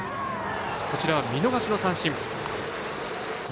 こちらは見逃し三振。